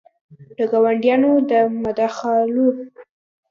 د ګاونډیانو د مداخلو